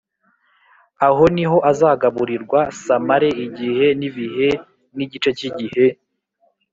Aho ni ho azagaburirirwa s amare igihe n ibihe n igice cy igihe